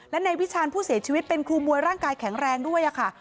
และในวิชาญผู้เสียชีวิตเป็นครูมวยร่างกายแข็งแรงด้วยค่ะ